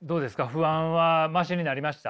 不安はマシになりました？